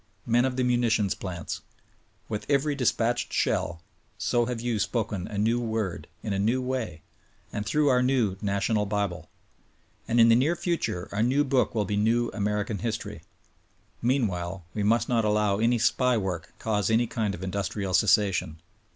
Men of the munitions plants : With every dispatched shell so have you spoken a new word, in a new way, and through our new national bible. And in the near future our new book will be new American history. Meantime we must not allow any SPY work cause any kind of industrial cessation.